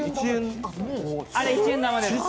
あれ、一円玉です。